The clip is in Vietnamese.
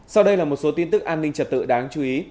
sau đây là một số tin tức an ninh trật tự đáng chú ý